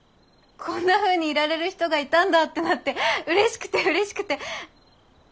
「こんなふうにいられる人がいたんだ」ってなって嬉しくて嬉しくて。